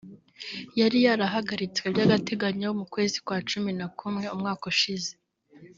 yari yarahagaritswe by’agateganyo mu kwezi kwa cumi na kumwe umwaka ushize